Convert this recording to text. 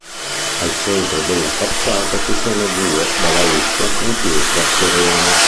Al centro della facciata ci sono due balaustra in pietra serena.